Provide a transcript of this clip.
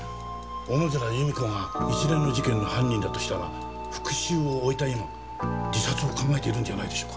小野寺由美子が一連の事件の犯人だとしたら復讐を終えた今自殺を考えているんじゃないでしょうか？